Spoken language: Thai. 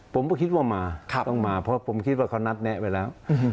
ผมก็คิดว่ามาต้องมาเพราะผมคิดว่าเขานัดแนะไปแล้ว